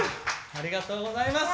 ありがとうございます！